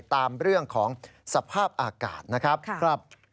ตามเรื่องของสภาพอากาศนะครับ